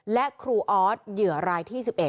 และครูออสเหยื่อรายที่๑๑